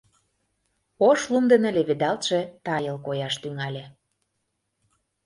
Ош лум дене леведалтше тайыл кояш тӱҥале.